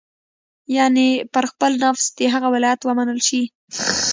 یعنې پر خپل نفس د هغه ولایت ومنل شي.